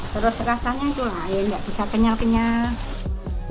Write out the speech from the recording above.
terus rasanya itu lain nggak bisa kenyal kenyal